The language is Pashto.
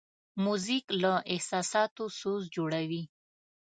موزیک له احساساتو سوز جوړوي.